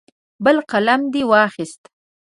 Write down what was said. بل قلم دې واخیست.